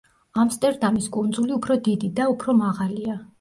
ამსტერდამის კუნძული უფრო დიდი და უფრო მაღალია.